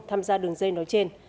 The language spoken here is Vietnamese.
tham gia đường dây nói trên